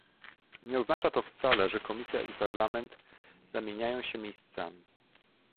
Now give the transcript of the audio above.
Nie oznacza to wcale, że Komisja i Parlament zamieniają się miejscami